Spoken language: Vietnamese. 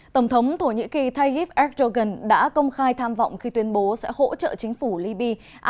tổng thống thổ nhĩ kỳ tayyip erdogan đã công khai tham vọng khi tuyên bố sẽ hỗ trợ chính phủ liby